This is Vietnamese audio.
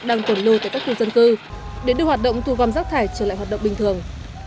đang tồn lưu tại các khu dân cư để đưa hoạt động thu gom rác thải trở lại hoạt động bình thường